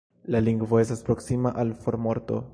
La lingvo estas proksima al formorto.